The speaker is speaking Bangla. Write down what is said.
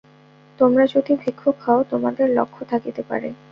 তোমরা যদি ভিক্ষুক হও, তোমাদের লক্ষ্য থাকিতে পারে।